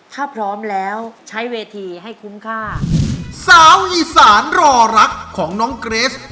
ถ้าพร้อมแล้วใช้เวทีให้คุ้มค่าสาวอีสานรอรักของน้องเกรส